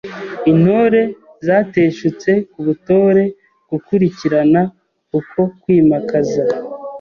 Intore zateshutse ku butore Gukurikirana uko kwimakaza